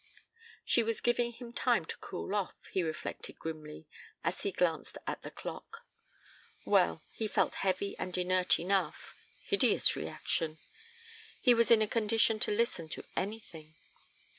She was giving him time to cool off, he reflected grimly, as he glanced at the clock. Well, he felt heavy and inert enough hideous reaction! He was in a condition to listen to anything.